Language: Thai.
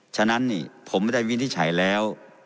ฉะนั้นผมได้วินิจฉัยแล้ว